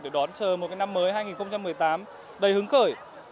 để đón chờ một năm mới hai nghìn một mươi tám đầy hứng khởi